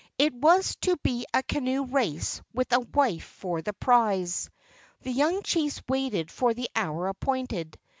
It was to be a canoe race with a wife for the prize. The young chiefs waited for the hour appointed.